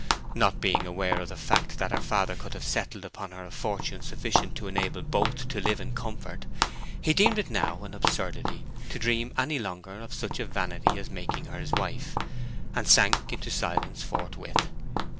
Not being aware of the fact that her father could have settled upon her a fortune sufficient to enable both to live in comfort, he deemed it now an absurdity to dream any longer of such a vanity as making her his wife, and sank into silence forthwith.